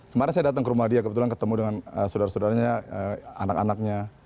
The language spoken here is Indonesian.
kemarin saya datang ke rumah dia kebetulan ketemu dengan saudara saudaranya anak anaknya